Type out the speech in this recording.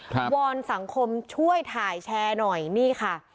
วอนสังคมช่วยถ่ายแชร์หน่อยนี่ค่ะ